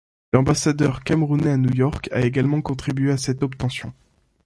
L'ambassadeur camerounais à New-York a également contribué à cette obtention.